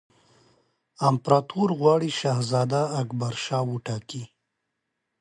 امپراطور غواړي شهزاده اکبرشاه وټاکي.